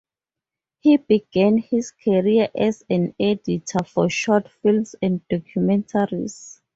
He began his career as an editor for short films and documentaries.